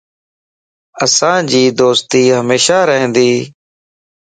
اسانجي دوستي ھميشا رھندي